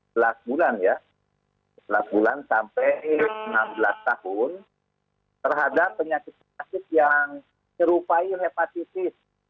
belas bulan ya belas bulan sampai enam belas tahun terhadap penyakit yang serupai hepatitis